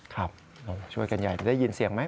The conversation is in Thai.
ครับเราช่วยกันใหญ่ได้ยินเสียงไหม